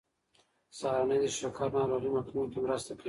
سهارنۍ د شکر ناروغۍ مخنیوی کې مرسته کوي.